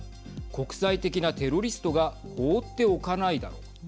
国際的なテロリストが放っておかないだろう。